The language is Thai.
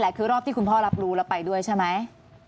คือรอบที่คุณพ่อรับรู้แล้วไปด้วยใช่ไหม